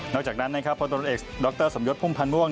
นอกจากนั้นพลตรวจเอกส์ดรสมยศพุ่มพันธ์ม่วง